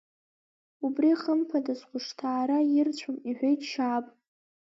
Убри хымԥада, схәышҭаара ирцәом, — иҳәеит Шьааб.